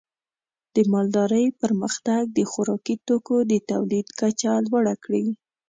د مالدارۍ پرمختګ د خوراکي توکو د تولید کچه لوړه کړې.